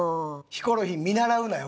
ヒコロヒー見習うなよ